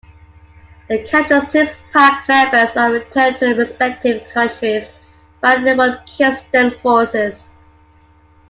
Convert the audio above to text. The captured Six Pack members are returned to their respective countries by Rumekistan forces.